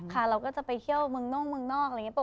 เราก็จะไปเที่ยวเมืองนอกเมืองนอกอะไรอย่างนี้